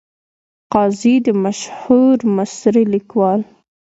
قاضي د مشهور مصري لیکوال .